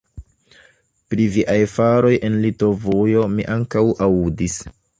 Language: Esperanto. Pri viaj faroj en Litovujo mi ankaŭ aŭdis!